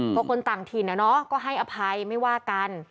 เพราะคนต่างถิ่นก็ให้อภัยไม่ว่ากัน